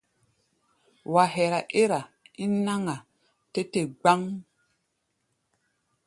Wa hɛra ɛ́r-a ín náŋ-a tɛ́ te gbáŋ.